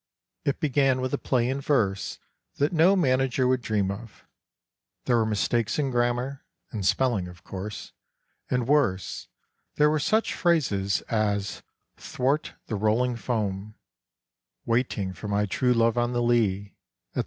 It began with a play in verse that no manager would dream of, there were mistakes in gram mar, in spelling of course, and worse — there were such phrases as " 'thwart the rolling foam," " waiting for my true love on the lea," etc.